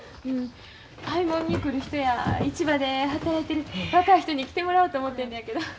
買いもんに来る人や市場で働いてる若い人に来てもらおうと思ってんのやけど。